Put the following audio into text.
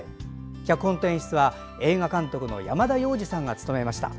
脚本と演出は、映画監督の山田洋次さんが務めました。